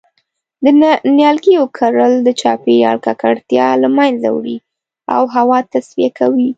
د نیالګیو کرل د چاپیریال ککړتیا له منځه وړی او هوا تصفیه کوی